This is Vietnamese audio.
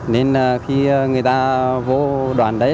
nên khi người ta vô đoạn đấy